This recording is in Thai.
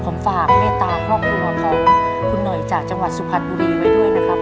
ผมฝากเมตตาครอบครัวของคุณหน่อยจากจังหวัดสุพรรณบุรีไว้ด้วยนะครับ